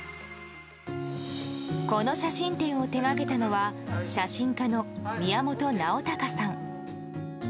この写真展を手掛けたのは写真家の宮本直孝さん。